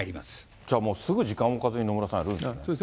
じゃあもうすぐ時間を置かずに野村さん、いくんですね。